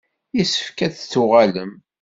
Yessefk ad d-tuɣalem.